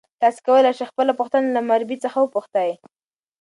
تاسي کولای شئ خپله پوښتنه له مربی څخه وپوښتئ.